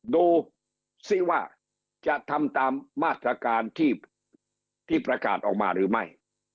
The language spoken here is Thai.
ดูสิว่าจะทำตามมาตรการที่ประกาศออกมาหรือไม่